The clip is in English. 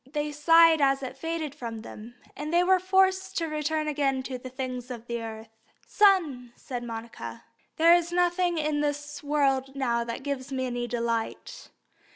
They sighed as it faded from them, and they were forced to return again to the things of earth. "Son," said Monica, "there is nothing in this world now that gives me any delight.